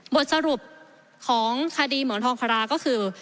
บทสรุปของคดีหมอนทองคาราก็คือ